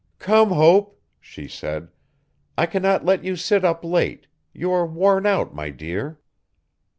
'Come Hope,' she said, 'I cannot let you sit up late you are worn out, my dear.